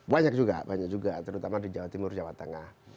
banyak juga banyak juga terutama di jawa timur jawa tengah